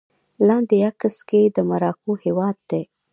لاندې عکس کې د مراکو هېواد دی